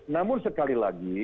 namun sekali lagi